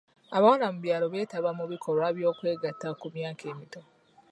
Abawala mu byalo beetaba mu bikolwa by'okwegatta ku myaka emito.